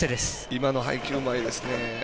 今の配球いいですね。